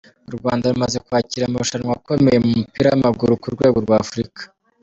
U Rwanda rumaze kwakira amarushanwa akomeye mu mupira w’amaguru ku rwego rwa Afurika.